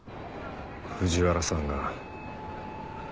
藤原さんが。